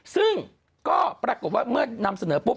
ซึ่งก็ปรากฏว่าเมื่อนำเสนอปุ๊บ